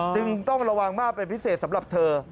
จึงต้องระวังมากเป็นพิเศษสำหรับเธอ